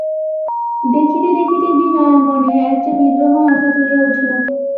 দেখিতে দেখিতে বিনয়ের মনে একটা বিদ্রোহ মাথা তুলিয়া উঠিল।